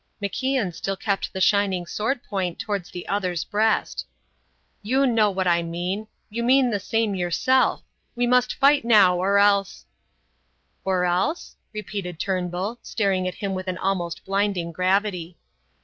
MacIan still kept the shining sword point towards the other's breast. "You know what I mean. You mean the same yourself. We must fight now or else " "Or else?" repeated Turnbull, staring at him with an almost blinding gravity.